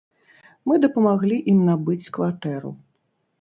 Мы дапамаглі ім набыць кватэру.